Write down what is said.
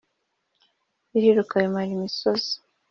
biriruka bimara imisozi